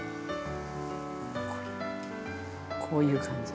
こういう感じ。